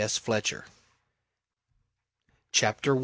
S. Fletcher CHAPTER I.